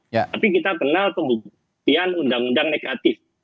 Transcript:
tapi kita kenal pembuktian undang undang negatif